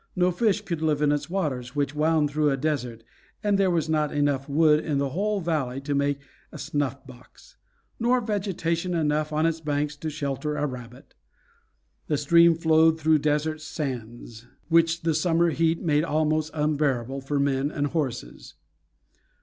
"No fish could live in its waters, which wound through a desert, and there was not enough wood in the whole valley to make a snuff box, nor vegetation enough on its banks to shelter a rabbit. The stream flowed through desert sands, which the summer heat made almost unbearable for men and horses."